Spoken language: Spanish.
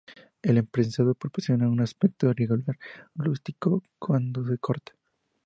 El prensado proporciona una aspecto irregular y rústico cuando se corta.